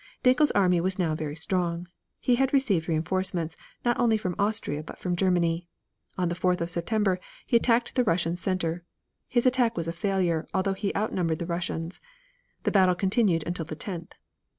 Dankl's army was now very strong. He had received reinforcements, not only from Austria but from Germany. On the 4th of September he attacked the Russian center; his attack was a failure, although he outnumbered the Russians. The battle continued until the tenth.